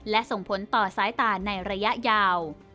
และส่งผลต่อสายตาในระยะยาว